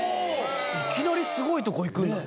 いきなりスゴいとこいくんだね。